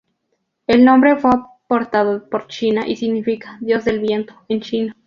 El nombre fue aportado por China y significa "Dios del viento" en chino.